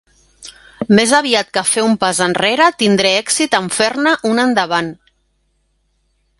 Més aviat que fer un pas enrere tindré èxit en fer-ne un endavant.